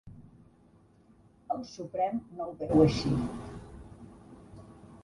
El Suprem no ho veu així.